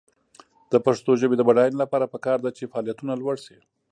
د پښتو ژبې د بډاینې لپاره پکار ده چې فعالیتونه لوړ شي.